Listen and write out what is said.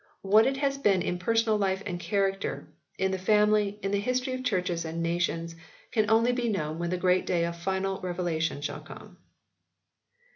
What it has been in personal life and character, in the family, in the history of churches and nations can only be known when the great day of final revelation shall come.